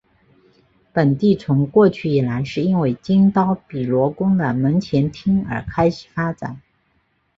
本地从过去以来是因为金刀比罗宫的门前町而开始发展。